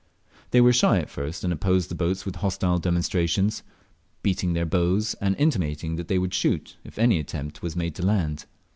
They were shy at first, and opposed the boats with hostile demonstrations, beading their bows, and intimating that they would shoot if an attempt was made to land.